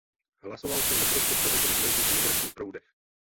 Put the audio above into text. Hlasoval jsem ve prospěch tohoto dokumentu o migračních proudech.